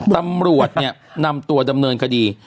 ตำรวจนำตัวดำเนินคดี